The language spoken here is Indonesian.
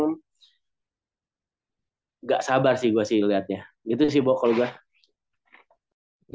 gak sabar sih gua sih liatnya